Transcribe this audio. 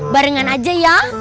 barengan aja ya